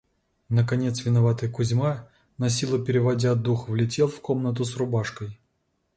Наконец виноватый Кузьма, насилу переводя дух, влетел в комнату с рубашкой.